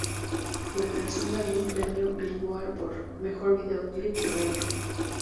La canción ganó un premio Billboard por "Mejor Video Clip de Baile".